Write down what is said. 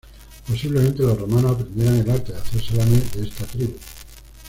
Posiblemente los romanos aprendieran el arte de hacer salame de esta tribu.